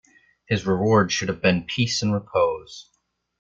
His reward should have been peace and repose.